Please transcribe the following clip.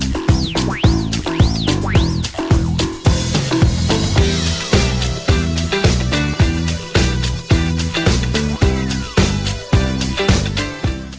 โปรโมชั่นพิเศษให้กับแฟนแฟนร้ายการเล่าเส้นเป็นเรื่องกันอีกเคียบเลย